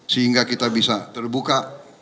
sehingga kita bisa terbuka